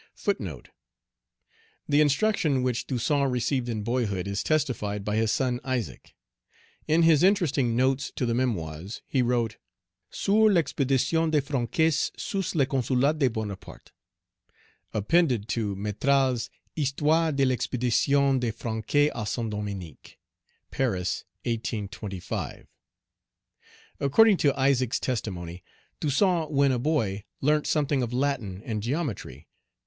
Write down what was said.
The instruction which Toussaint received in boyhood is testified by his son Isaac, in his interesting Notes to the Memoirs he wrote, "Sur l'Expédition des Français sous le Consulat de Bonaparte," appended to Metral's Histoire de l'Expédition des Français à Saint Domingue," Paris, 1825. According to Isaac's testimony, Toussaint when a boy learnt something of Latin and geometry (p.